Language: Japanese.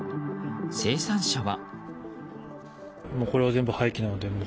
生産者は。